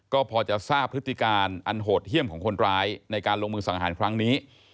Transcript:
ก็พอจะทราบพฤติการอันโหดเยี่ยมของคนร้ายในการลงมือสังหารครั้งนี้